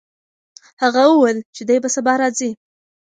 هغه وویل چې دی به سبا راځي.